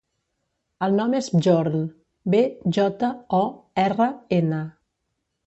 El nom és Bjorn: be, jota, o, erra, ena.